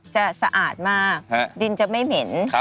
สะอาดมากดินจะไม่เหม็น